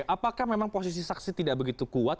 apakah memang posisi saksi tidak begitu kuat